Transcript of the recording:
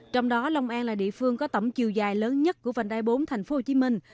trong đó long an là địa phương có tổng chiều dài lớn nhất của vành đai bốn thành phố hồ chí minh